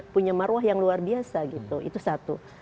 punya maruah yang luar biasa gitu itu satu